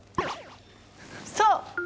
そう！